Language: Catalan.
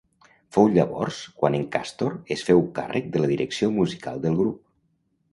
Fou llavors quan en Càstor es féu càrrec de la direcció musical del grup.